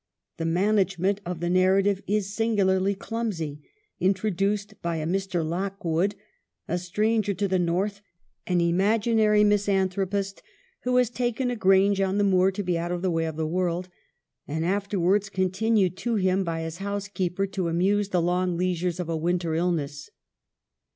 The man agement of the narrative is singularly clumsy, introduced by a Mr. Lockwood — a stranger to the North, an imaginary misanthropist, who has taken a grange on the moor to be out of the way of the world — and afterwards continued to him by his housekeeper to amuse the long leisures of a winter illness.